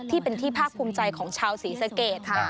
ที่เป็นที่ภาคภูมิใจของชาวศรีสะเกดค่ะ